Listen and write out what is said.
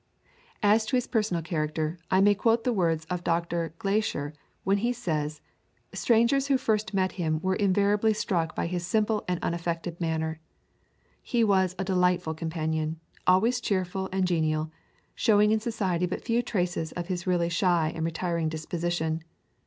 As to his personal character, I may quote the words of Dr. Glaisher when he says, "Strangers who first met him were invariably struck by his simple and unaffected manner. He was a delightful companion, always cheerful and genial, showing in society but few traces of his really shy and retiring disposition.